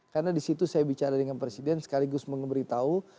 karena di situ saya bicara dengan presiden sekaligus memberitahu